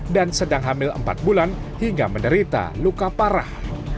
dan sedang hamil empat bulan hingga menderita luka parah